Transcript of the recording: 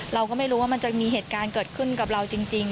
เราก็ไม่รู้ว่ามันจะมีเหตุการณ์เกิดขึ้นกับเราจริง